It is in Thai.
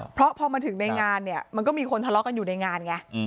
เพราะพอมาถึงในงานเนี่ยมันก็มีคนทะเลาะกันอยู่ในงานไง